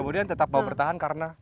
kemudian tetap mau bertahan karena